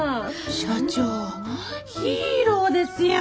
社長ヒーローですやん。